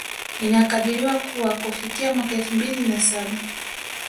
Inakadiriwa kuwa kufikia mwaka elfu mbili na saba